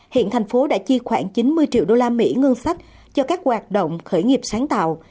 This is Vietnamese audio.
hiện thành phố đã chi khoảng chín mươi triệu đô la mỹ ngân sách cho các hoạt động khởi nghiệp sáng tạo